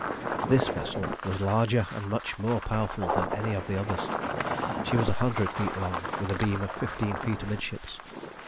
This vessel was larger and much more powerful than any of the others. She was a hundred feet long, with a beam of fifteen feet amidships.